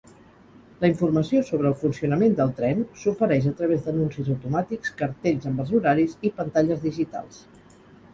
La informació sobre el funcionament del tren s'ofereix a través d'anuncis automàtics, cartells amb els horaris i pantalles digitals.